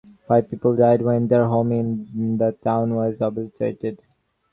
Five people died when their home in the town was obliterated.